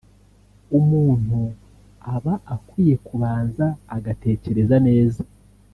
umuntu aba akwiye kubanza agatekereza neza